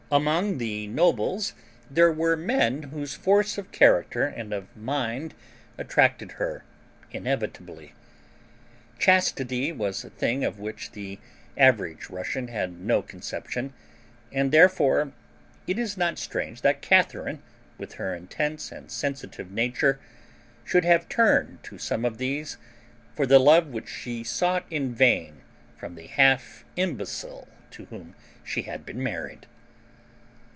Among the nobles there were men whose force of character and of mind attracted her inevitably. Chastity was a thing of which the average Russian had no conception; and therefore it is not strange that Catharine, with her intense and sensitive nature, should have turned to some of these for the love which she had sought in vain from the half imbecile to whom she had been married.